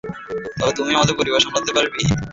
তবেই তুই পরিবার সামলাতে পারবি।